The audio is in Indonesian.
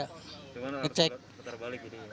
cuma harus kembali gini